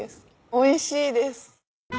おいしいです。